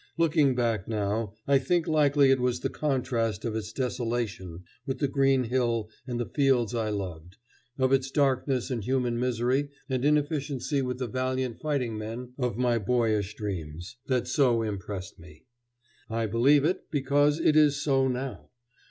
Looking back now, I think likely it was the contrast of its desolation with the green hill and the fields I loved, of its darkness and human misery and inefficiency with the valiant fighting men of my boyish dreams, that so impressed me. I believe it because it is so now.